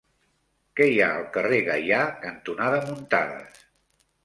Què hi ha al carrer Gaià cantonada Muntadas?